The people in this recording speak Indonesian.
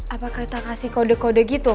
apa kita kasih kode kode gitu